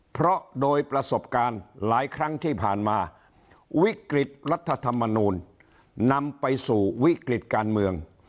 เพราะโดยประสบการณ์หลายครั้งที่ผ่านมาวิกฤตรัฐธรรมนูลนำไปสู่วิกฤติการเมือง